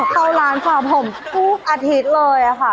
เข้าร้านของผมทุกอาทิตย์เลยค่ะ